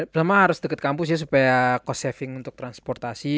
pertama harus deket kampus ya supaya cost saving untuk transportasi